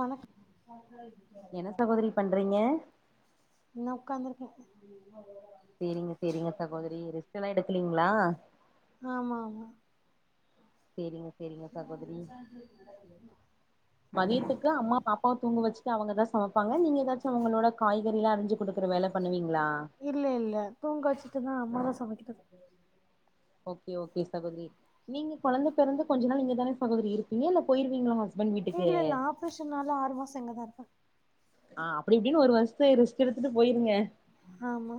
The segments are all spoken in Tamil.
வணக் என்ன சகோதரி பண்றீங்க நான் உக்காந்துருக்கேன் செரிங்க செரிங்க சகோதரி ரிஸ்க் எல்லாம் எடுக்கலீங்களா ஆமா ஆமா சேரிங்க செரிங்க சகோதரி மதியத்துக்கு அம்மா பாப்பாவ் துங்க வச்சுட்டு அவங்கதா சமப்பாங்ளா நீங் எதாச்சு அவுங்களோட காய்கறிலா அரிஞ்சு குடுக்குற வேல பண்ணுவீங்ளா இல்ல இல்ல தூங்க வச்சிட்டுதா அம்மாதா சமைக்கிட்டத் ஓகே ஓகே சகோத்ரி நீங்க கொழந்தை பெறந்து கொஞ்ச நாள் இங்கதானே சகோதரி இருப்பீங்க இல்ல பொய்ருவீங்ளா உங்க ஹஸ் இல்ல இல்ல ஆப்ரேஷன் நாள ஆறு மாச இங்கதா இருப்ப அ அப்டிஇப்டினு ஒரு வர்ஷ்த்து ரிஸ்ட் எடுத்ட்டு போய்ருங்க ஹாமா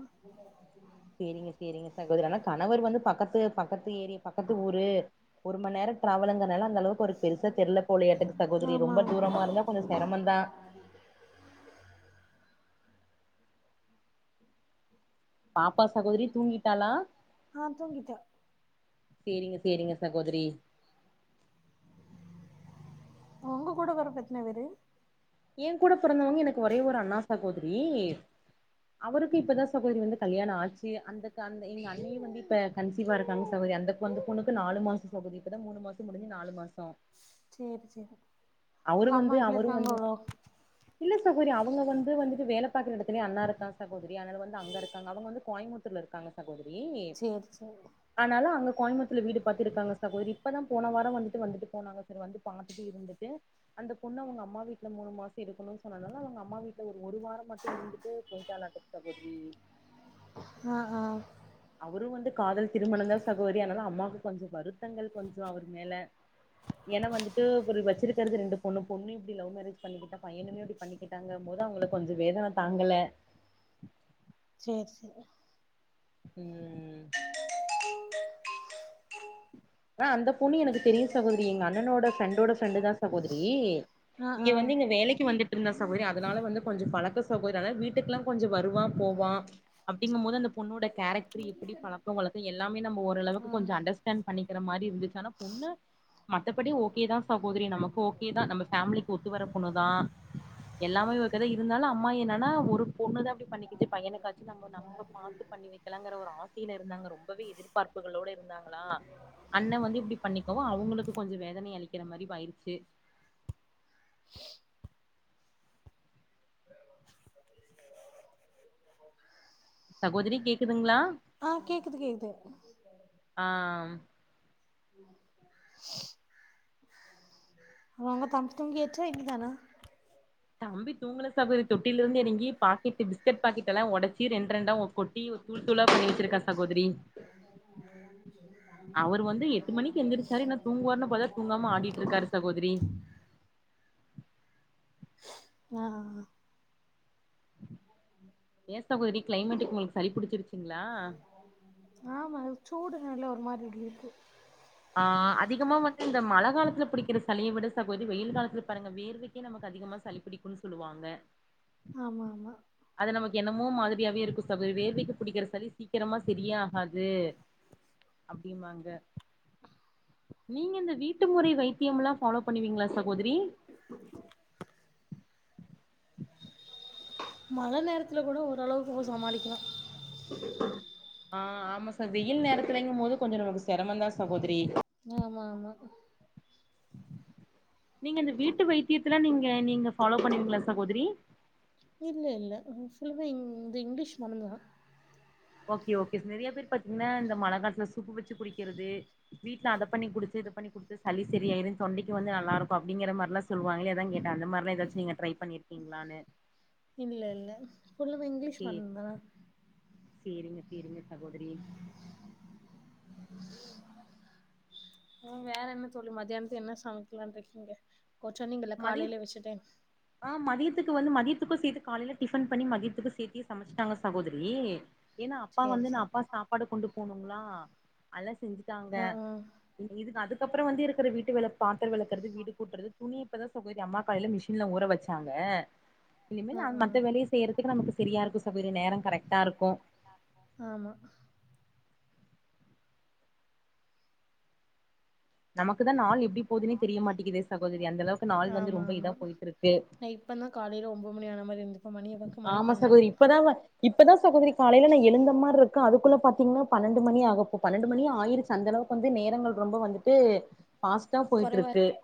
சேரிங்க சேரிங்க சகோதரி ஆனா கணவர் வந்து பக்கத்து பக்கத்து ஏரிய பக்கத்து ஊரு ஒரு ம நேர ட்ராவலுங்கற்னால அந்த அளவுக் ஒரு பெருசா தெர்ல போலையாட்டுக்கு சகோதரி ஆமா ரொம்ப ஆமா தூரமா இருந்தா கொஞ்ச செரமந்தா பாப்பா சகோதுரி தூங்கிட்டாளா ஆ தூங்கிட்டா சேரிங்க சேரிங்க சகோதுரி ஒங்க கூட பெறப்பு எத்ன பேரு ஏ கூட பிறந்தவுங்க எனக்கு ஒரே ஒரு அண்ணா சகோதுரி அவருக்கு இப்பதா சகோதரி வந்து கல்யாண ஆச்சு அந்தக்கு அந்த எங்க அண்ணியு வந்து இப்ப கன்சீவா இருக்காங்க சகோதிரி அந்தக்கு அந்த பொண்ணுக்கு நாலு மாச சகோதுரி இப்ப தா மூணு மாச முடிஞ்சு நாலு மாசோ சேரி சேரி அவரு ஒங்க அம்மா வந்து வீட்ல அவரு வந்து இருக்காங்களோ இல்ல சகோத்ரி அவுங்க வந்து வந்துட்டு வேல பாக்குற எடத்துலே அண்ணா இருக்கா சகோதிரி அத்னால வந்து அங்க இருக்காங்க அவுங்க வந்து கோயபுத்தூர்ல இருக்காங்க சகோதுரி சேரி சேரி ஆனாலு அங்க கோயம்புத்தூர்ல வீடு பாத்து இருக்காங்க சகோதிரி இப்பதா போன வார வந்துட்டு வந்துட்டு போனாங்க சரி வந்து பா ந்து இருந்துட்டு அந்த பொண்ணு அவுங்க அம்மா வீட்ல மூணு மாச இருக்கணு சொன்னத்னால அவுங்க அம்மா வீட்ல ஒரு ஒரு வார மட்டு இருந்துட்டு போய்ட்டாலாட்டுக்கு சகோத்ரி அ அ அவரு வந்து காதல் திருமணமந்தா சகோத்ரி அத்னால அம்மாக்கு கொஞ்ச வருத்தங்கள் கொஞ்சோ அவுர் மேல ஏனா வந்துட்டு ஒரு வச்சுர்க்கற்து ரெண்டு பொண்ணு பொண்ணு இப்டி லவ் மேரேஜ் பண்ணிக்கிட்ட பையனுமோ இப்டி பண்ணிக்கிட்டாங்க மோது அவுங்களுக்கு கொஞ்ச வேதன தாங்கல சேர் சே ம் அ அந்த பொண்ணு எனக்கு தெரியு சகோத்ரி எங்க அண்ணனோட ஃப்ரெண்டோட ஃப்ரெண்டு தா சகோத்ரி ஆ ஆ இங்க வந்து இங்க வேலைக்கு வந்து இர்ந்தா சகோத்ரி அதுனால வந்து கொஞ்ச பழக்க சகோத்ரி அனால வீட்டுக்லா கொஞ்ச வருவா போவா அப்டிங்கும்போது அந்த பொண்ணோட கேரக்ட்ரு எப்புடி பழக்க வழக்க எல்லாமே நம்ம ஓரளவுக்கு ஆ கொஞ்ச அண்டர்ஸ் பண்ணிக்கிற மாரி இருந்துச்சு ஆனா பொண்ணு மத்தபடி ஓகே தா சகோத்ரி நமக்கு ஓகே தா நம்ப ஃபேம்லிக்கு ஒ த்துவர பொண்ணுதா எல்லாமே ஓகேதா இருந்தாலு அம்மா என்னனா ஒரு பொண்ணுதா இப்டி பண்ணக்குச்சு பையனுக்காச்சு நம்ம நம்ப பாத்து பண்ணி வீக்கலாங்குற ஒரு ஆசைல இருந்தாங்க ரொம்பவே எதிர்பார்ப்புகளோட இருந்தாங்ளா அண்ண வந்து இப்டி பண்ணிக்கவு அவங்ளுக்கு கொஞ்ச வேதன அளிக்கிற மாரி வாய்ருச்சு [inaudible] சகோதரி கேக்குதுங்களா [inaudible] ஆ கேக்குது கேக்குது அ அ ம் [inaudible] ஒங்க தம் தூங்கியாச்சா இனிதானா தம்பி துங்குல சகோத்ரி தொட்டிலருந்து எறங்கி பாக்கெட்டு பிஸ்கட் பாக்கெட்ல்லா ஒடச்சு ரெண் ரெண்டா ஒ கொட் டீவு தூள் தூளா பண்ணி வெச்சுருக்கா சகோத்ரி அவர் வந்து எட்டு மணிக்கு எந்திரிச்சாரு இன்னு தூங்குவாருன்னு பாத்தா தூங்காம ஆடிட்ருக்காரு சகோதரி வா என்ன சகோதரி கிளைமேட்டு்க்கு உங்களுக்கு சளி புடிச்சிருச்சிங்களா ஆமா சூடு நல்ல ஒரு மாரி இருக்கு ஆ அதிகமா வந்துட்டு இந்த மழ காலத்துல பிடிக்கிற சளிய விட சகோதரி வெயில் காலத்துல பாருங்க வேர்வைக்கே நமக்கு அதிகமா சளி பிடிக்கும் சொல்லுவாங்க ஆமா ஆமா அத நமக்கு என்னமோ மாதிரியாவே இருக்கு சகோதரி வேர்வைக்கு பிடிக்கிற சளி சீக்கிரமா செரியே ஆகாது அப்டிமாங்க நீங்க இந்த வீட்டு முறை வைத்தியமெல்லா ஃபாலோ பண்ணுவீங்களா சகோதரி மழ நேரத்துல கூட ஓரளவுக்கு போ சமாளிக்கலா ஆ ஆமா சாகோதிரி வெயில் நேரத்துலங்கு போது கொஞ்ச நமக்கு செரமந்தா சகோதரி ஆமா ஆமா நீங்க இந்த வீட்டு வைத்தியத்துல நீங்க நீங்க ஃபாலோ பண்ணிவீங்களா சகோதரி இல்ல இல்ல ஃபுல்லுமே இந்த இங்கிலீஷ் மருந்துதா ஓகே ஓகே நெறையா பேரு பாத்தீங்கனா இந்த மழ காலத்துல சூப்பு வெச்சு குடிக்கிறது வீட்ல அத பண்ணி குடுத்து இத பண்ணி குடுத்து சளி செரியாயிரு தொண்டைக்கு வந்து நல்லாருக்கு அப்டிங்கிற மாரிலா சொல்லுவாங்களே அதா கேட்டே அந்த மாரிலா எதாச்சு நீங்க ட்ரை பண்ணிருக்கீங்களானு இல்ல இல்ல ஃபுல்லுமே இங்கிலீஷ் சேரி மருந்து தா சேரிங்க சேரிங்க சகோதரி ம் வேற என்ன சொல்லு மத்தியானத்துக்கு என்ன சமைக்கலான்ருகீங்க கொ சொன்னீங்கல்ல மதிய காலைல வச்சுட்டேன் ஆ மதியியத்துக்கு வந்து மதியத்துக்கும் சேத்து காலையில டிஃபன் பண்ணி மதியத்துக்கு சேத்தியே சமச்சிட்டாங்க சகோதரி ஏனா அப்பா சேரி வந்து நா சேரி அப்பா சாப்பாடு கொண்டு போணுங்களா அனால செஞ்சுட்டாங்க ஆ ஆ இது அதுக்கப்புறோ வந்து இருக்குற வீட்டு வேல பாத்தரோ வெளக்குறது வீடு கூட்டுறது துணி இப்ப தான் சகோதிரி அம்மா காலையில மிஷின்ல ஊறவச்சாங்க இனிமே ஆ மத்த வேலைய செய்யற துக்கு நமக்கு செரியா இருக்கு சகோதரி நேரோ கரெக்டா இருக்கு ஆமா நமக்கு தா நாள் எப்டி போதுன்னே தெரிய மாட்டேங்குதே சகோதரி அந்த அளவுக்கு நாள் வந்து ரொம்ப இதா போயிட்ருக்கு இப்பனா காலையில ஒம்போது மணியான மாரி இருந்து ஆமா சகோதிரி இப்பதா இவ இப்பதா சகோதரி காலையில நா எழுந்த மாரி இருக்க அதுக்குள்ள பாத்தீங்கன்னா பன்னெண்டு மணி ஆகப்ப பன்னெண்டு மணி ஆயிருச்சு அந்தளவு வந்து நேரங்கள் ரொம்ப வந்துட்டு ஃபாஸ்டா கொறைவா போயிட்ருக்கு இருக்கு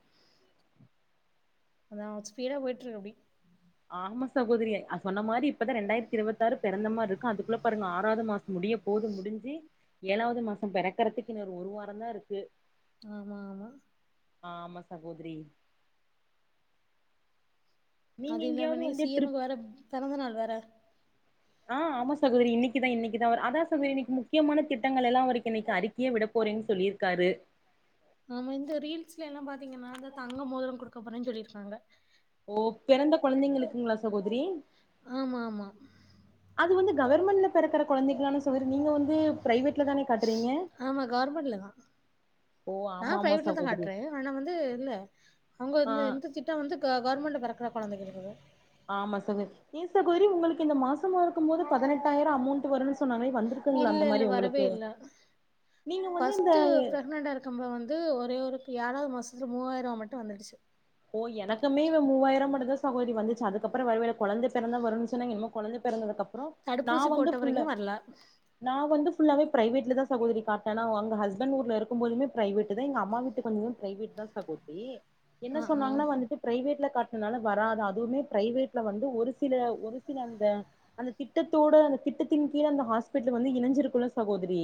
அதா ஸ்பீடா போயிட்ருக்கு அப்டி ஆமா சகோதரி அது சொன்ன மாரி இப்பதா ரெண்டாயிரத்தி இருவத்தியாறு பிறந்த மாரி இருக்கு அதுக்குள்ள பாருங்க ஆறாவது மாசோ முடிய போது முடிஞ்சு ஏழாவது மாசோ பெறக்குறதுக்கு‌ இன்னு ஒரு வாரோந்தா இருக்கு ஆமா ஆமா ஆமா சகோதரி நீங்க அது இல்லாம எங்கேயாவது இன்னைக்கி வந்து சி எம்மு ட்ரிப் க்கு வேற பெறந்த நாள் வேற ஆ ஆமா சகோதரி இன்னைக்குதா இன்னைக்குதா அதா சகோதரி இன்னைக்கு முக்கியமான திட்டங்கள் எல்லா அவருக்கு இன்னைக்கு அறிக் கியா விட போறேன்னு சொல்லியிருக்காரு ஆமா இந்த ரீல்ஸ்ல எல்லா பாத்தீங்கனா தங்க மோதிரோ குடுக்கப்பேறேன்னு சொல்லியிருக்காங்க ஓ பிறந்த கொழந்தைங்களுகுங்களா சகோதரி ஆமா ஆமா அது வந்து கவர்மெண்ட்ல பிறக்கிற கொழந்தைகுதானே சொ சேரி நீங்க வந்து பிரைவேட்ல தானே காட்றீங்க நா ஆமா ஆமா பிரைவேட்ல தா சகோதரி காட்றேன் ஆனா வந்து இல்ல அவங்க வந்து ஆ எந் திட் திட்ட வந்து கவர்மெண்ட் பெறக்கிற கொழந்தைங்களுகுவே ஆமா சகோதரி ஏ சகோதரி உங்களுக்கு இந்த மாசமா இருக்கும் போது பதினெட்டாயிரம் அமௌண்ட் வரும்னு சே சொன்னாலே வந்திருக்குங்கள இல்ல, அந்த இல்ல மாரி வரவே உங்களுக்கு இல்ல. நீங்க வந்து இந்த இப்ப வந்து ஒரே ஒருக்கு ஏழாவது மாசத்துல மூவாயிரம் மட்டும் வந்துடுச்சு ஓ எனக்குமே இ மூவாயிர மட்டுதான் சகோரி வந்துச்சு அதுக்கப்புற வரவேல கொழந்தை பிறந்தா வரும் சொன்னங்கே இனிமே கொழந்தை பிறந்ததுக்கப்புரம் தடுப்பூசி போட்டவரையும் வரல நான் வந்து ஃபுல்லாவே பிரைவேட்டில தான் சகோதரி காட்னே அ அங்க ஹஸ்பண்ட் ஊர்ல இருக்கும்போதுமே பிரரைவேட்டு தான் எங்க அம்மா வீட்டு வந்தோனே கை விட்டு தான் சகோதரி என்ன அ, ஆ. சொன்னாங்கன்னா வந்துட்டு பிரைவேட்ல காட்டினதுனால வராது அதுவுமே பிரைவேட்ல வந்து ஒரு சில ஒரு சில அந்த அந்த திட்டத்தோட அந்த திட்டத்தின் கீழ அந்த ஹாஸ்பிட்டல் வந்து இணஞ்சிருக்குள்ள சகோதரி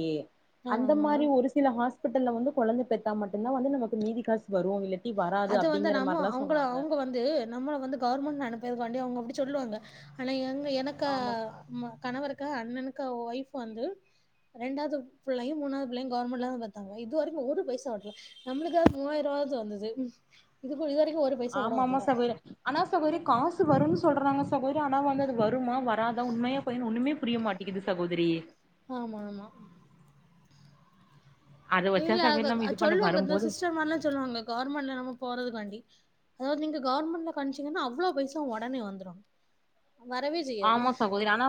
அந்த ஆமாமா. மாரி ஒரு சில ஹாஸ்பிட்டல்ல வந்து கொழந்தை பெத்தா மட்டும்தான் வந்து நமக்கு மீதி காசு வரும் இல்ல ட்டிவராது அப் ச நம்ம அவுங்கள அவுங்க வந்து நம்மளை வந்து கவர்மெண்ட் அனுப்புரதுகாண்டி அவங்க அப்டி சொல்லுவாங்க ஆனா எங்க எனக்கு ஆ ஆமா ஆமா கணவருக்கு அண்ணனுக்கு ஒய்ஃப் வந்து ரெண்டாவது பிள்ளையும் மூணாவது பிள்ளையும் கவர்மெண்ட்ல தான் பேத்தாங்க இதுவரைக்கும் ஒரு பைசா வரலா நம்மளுக்குகாவது மூவாயிரம் ரூபாவாது வந்தது இது இது வரைக்கும் ஒரு பைசா கூட ஆமா ஆமா வரல. சகோதரி ஆனா சகோதரி காசு வரும்னு சொல்றாங்க சகோதரி ஆனா வந்தது வரும் வருமா வராதா உண்மையா போய்னு ஒண்ணுமே புரிய மாட்டேங்குது சகோதரி ஆமா ஆமா அத வச்சா இல்ல அது சகோதரி நம்ம இது பண்ண சொல்லுவாங்க இந்த வரும்போது சிஸ்டர் மார்ல்லாம் சொல்லுவாங்க கவர்மெண்ட்ல நம்ம போறதுக்காண்டி அதாவது நீங்க கவர்மெண்ட்ல கவணிச்சீங்கன்னா அவ்ளோ பைசா உடனே வந்துரும் வரவே செய்யாது போது ஆனா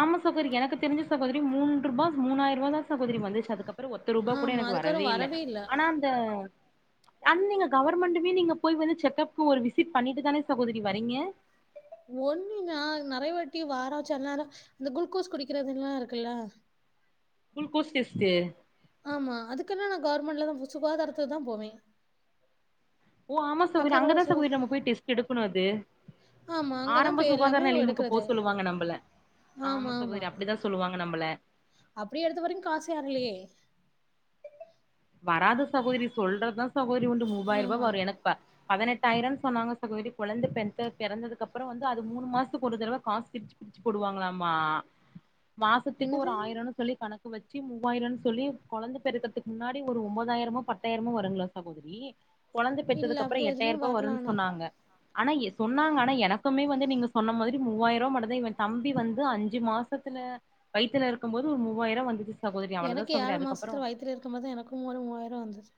ஆமா சகோதரி எனக்கு தெரிஞ்ச சகோதரி மூன்று பா மூாணாயிருபா தா சகோதரி வந்துச்சு அப்ப அப்றோ ஒத்த ரூபா கூட எனக்கு வரவே இல்ல ஆனா அந்த ஆனா நீங்க கவர்மெண்டுமே நீங்க போய் வந்து செக்கப்க் ஒரு விசிட் பண்ணிட்டு தானே சகோதரி வரீங்க ஒண்ணு நா நெறையவாட்டி வாரோ செல நேரோ அந்த குளுக்கோஸ் குடிக்கிறது லா இருக்குல்ல குளுக்கோஸ் டேஸ்ட்டு ஆமா அதுக்குன்னா நா கவர்மெண்ட்லதா சுகாதாரத்துக்கு தா போவே ஓ ஆமா சகோதரி பக்கத்துல அங்கதா சகோதரி சுகாதார நம்ம போய் டெஸ்ட் எடுக்கணு அது ஆமா. அங்க தான் ஆரம்ப போய் சுகாதார எல்லாமே நிலையமுக்கு போ எடுக்கறது. சொல்லுவாங்க நம்மள ஆமா சகோதரி அப்டிதா சொல்லுவாங்க நம்மள அப்டி எடுத்த வரைக்கு காசேயேரலயே வராது சகோதரி சொல்றதுதா சகோதரி வந்து மூவாயிர்பா ஆமா. வரு எனக்கு ப பதினெட்டாயிரனு சொன்னாங்க சகோததி கொழந்த பெத்து பிறந்ததுக்கு அப்றோ வந்து அது மூணு மாசத்துக்கு ஒரு தடவ காசு பிர்ச் ச்சு போடுவாங்ளாமா மாசத்துக்கு ஒரு என்னது? ஆயிரோனு சொல்லி கணக்கு வச்சு மூவாயிரனு சொல்லி கொழந்த பெறக்கிறதுக்கு முன்னாடி டி ஒரு ஒம்பதாயிரமோ பத்தாயிரமோ வருங்ளா சகோதரி கொழந்த இல்ல பெத்ததுக்கப்பறோ அப்டி எதுவுமே எட்டாயிர்பா வரல வருன்னு ஆனா. சொன்னாங்க ஆனா சொன்னாங்க ஆனா எனக்குமே வந்து நீங்க சொன்ன மாரி மூவாயிர்வா மட்டுதா இவ தம்பி வந்து அஞ்சி மாசத்துல வய்த்துல இருக்கமோது ஒரு மூவாய்ரோ வந்துதுஸ் எனக்கு ஏழு மாசத்துல வய்த்துல இருக்கமோது எனக்கும் ஒரு மூவாயிரோ வந்துச்சி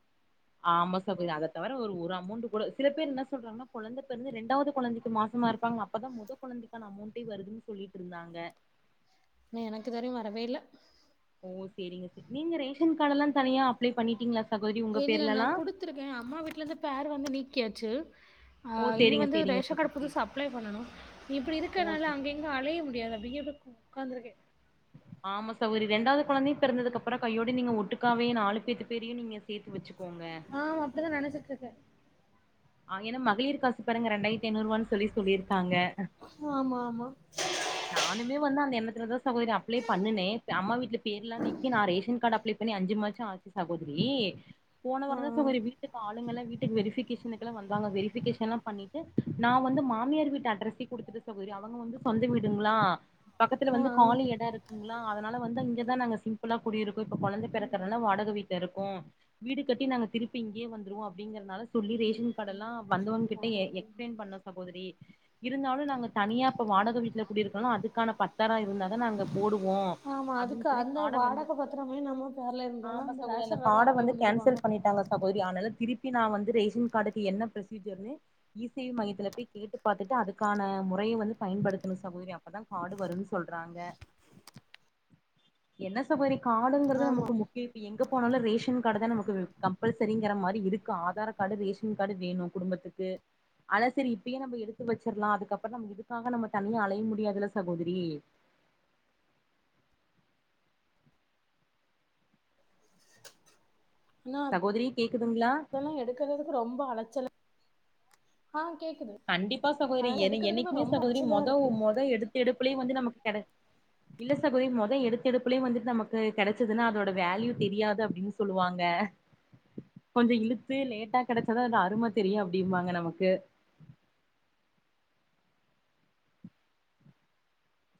ஆமா சகோதி அத தவிர ஒரு ஒரு அமோண்ட்டு கூட சில பேரு இன்னா சொல்றாங்னா கொழந்த பெறந்து ரெண்டாது கொழந்திக்கு மாசமாருப்பாங்ளா அப்பதா மோத கொழந்தைக்கான அமோண்டே வருதுன் சொல்லிட் ருந்தாங்க இன்னோ எனக்கு இதுவரயு வரவேல்ல ஓ சேரிங்க சிஸ் நீங்க ரேஷன் கார்டெல்லா தனியா அப்ளே பண்ணிட்டிங்ளா இல்ல நா குடுத்துருக்கே அம்மா வீட்லந்து பேரு வந்து நீக்கியாச்சு ஆ ஓ இனி சேரிங்க வந்து சேரிங்க ரேஷ காடு சகோதரி புதுசா அப்ளே பண்ணணு இப்டி ஓ இருக்கனால சரி. அங்கேங் ங்க அலைய முடியாது அப்டிங்றப்ப கு உக்காந்ருக்கே ஆமா சகோதரி ரெண்டாவ்து கொழந்தயு பெறந்ததுக்கப்பறோ கையோட நீங்க ஒட்டுக்காவே நாலூ பேத்து பேருயு நீங்க சேத்து வெச்சுக்கோங்க ஆ அப்டிதா நெனச்சிட்ருக்கே ஆ ஏனா மகளிர் காசு பாருங்க ரெண்டாய்ர்த்தி ஐநூருவான் சொல்லி சொல்லிர்க்காங்க உ ஆமா ஆமா நானூமே வந்து அந்த எண்ணத்துலதா சகோதரி அப்ளே பண்ணுனே இப்ப அம்மா வீட்ல பேர்லா நீக்கி நா ரேஷன் கார்டு அப்ளே பண்ணி அஞ்சு மாச்சோ ஆச்சி சகோதரி போன ஆ, ஆ. வாரந்தா சகோதரி வீட் கு ஆளுங்கல்லா வீட்டுக்கு வெரிஃபிகேஷனுக்கெலா வந்தாங்க வெரிஃபிகேஷன்லா பண்ணிட்டு நா வந்து மாமியாரு வீட்டு அட்ரஸே குடுத்துட்ட சகோதரி அவங்க வந்து சொந்த வீடுங்ளா பக்கத்துல ஆ, வந்து ஆ. காலி எடோ இருக் ங்ளா அதனால வந்து இங்கதா நாங்க சிம்புளா குடியிருக்கோ இப்ப கொழந்த பெறக்கற்னால வாடக வீட்லருக்கோ வீடு கட்டி நாங்க திருப்பி இங்கேயே வந்ருவோ அப்டிங்றனால சொல்லி ரேஷன் கார்டலா வந்தவ்ங் கிட்ட எக்ஸ்ப்ளைன் பண்ணஸ் சகோதரி இருந்தாலு நாங்க தனியா இப்ப வாடக வீட்ல குடி இருக்கோல்ல அதுக்கான பத்தரோ இருந்தாதா நாங்க போடுவோ ஆமா அப்டின் அதுக்கு சொல்லி அந்த காட வந்து வாடக பத்திரமே நம்ம பேர்ல இருந்ததுனா ஆமா சகோதரி அந்த ரேஷன் கார்டு காட அப்ளை வந்து பண்ணி தருவாங்க. கேன்சல் பண்ணிட்டாங்க சகோதரி அனால திருப்பி நா வந்து ரேஷன் கார்டுக்கு என்ன ப்ரொசிஜர்னு இ சேவை மையத்துல போய் கேட்டு பாத்துட்டு அதுக்கான முறய வந்து பயன்படுத்தணு சகோதரி அப்பதா காடு வருன் சொல்றாங்க என்ன சகோதரி காடுங்றது ஆமா. நமக்கு முக் யு இப்ப எங்க போனாலு ரேஷன் காடு தா நமக்கு கம்பல் செரிங்கற மாரி இருக்கா ஆதார் கார்டு ரேஷன் கார்டு வேணு குடும்பத்துக்கு அதா செரி இப்பயே நம்ப எடுத்து வெச்சிர்லா அதுக்கப்றோ நம்ப இதுக்காக நம்ப தனியா அலை ய முடியாதுல்ல சகோதிரி அண்ணா சகோதரி கேக்குதுங்களா [unintelligible] சிலதுக்கு ரொம்ப அலச்சல் கண்டிப்பா சகோதிரி என என்னைக்குமே சகோதிரி அலைச்சலா மொதோ இருக்கு. மொத எடுத்து எடுப்புலயு வந்து நமக்கு கெட இல்ல சகோதிரி மொத எடுத்த எடுப்புலயே வந்துட்டு நமக்கு கெடச்சதுன்னா அதோட வேல்யூ தெரியாது அப்டின் சொ சொல்லுவாங்க கொஞ்ச இழுத்து லேட்டா கெடச்சா தா அது அரும தெரியு அப்டிம்பாங்க நமக்கு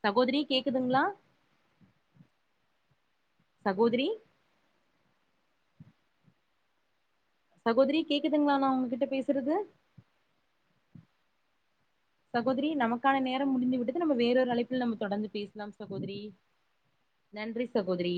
சகோதிரி கேக்குதுங்ளா சகோதிரி சகோதிரி கேக்குதுங்ளா நா உங்ககிட்ட பேஸ்றது சகோதிரி நமக்கான நேரம் முடிந்து விட்டது நம்ம வேறொரு அழைப்புல நம்ம தொடர்ந்து பேசலா சகோதிரி நன்றி சகோதிரி